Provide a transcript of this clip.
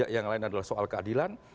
yang lain adalah soal keadilan